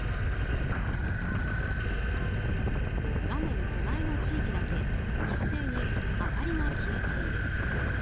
画面手前の地域だけ一斉に明かりが消えている。